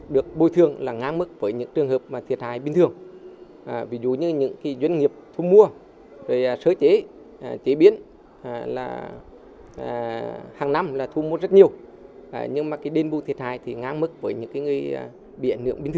đền bùi thiệt hại ngang mức với những người biển